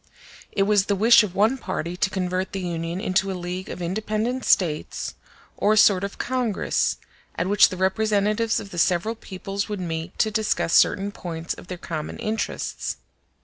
It was the wish of one party to convert the Union into a league of independent States, or a sort of congress, at which the representatives of the several peoples would meet to discuss certain points of their common interests.